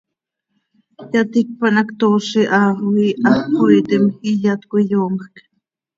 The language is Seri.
Yaticpan hac ctoozi ha xo iihax cöxoiitim, iyat cöiyoomjc.